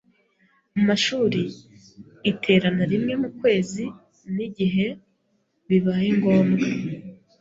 mu mashuri iterana rimwe mu kwezi n’igihe bibaye ngombwa.